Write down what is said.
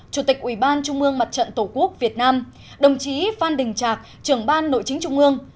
chủ tịch ủy ban trung ương mặt trận tổ quốc việt nam đồng chí phan đình trạc trưởng ban nội chính trung ương